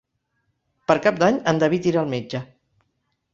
Per Cap d'Any en David irà al metge.